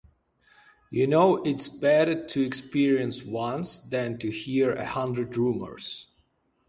You know, it's better to experience once than to hear a hundred rumors.